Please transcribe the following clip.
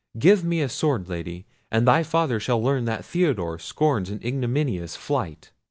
Give me a sword, Lady, and thy father shall learn that Theodore scorns an ignominious flight."